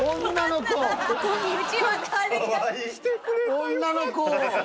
女の子。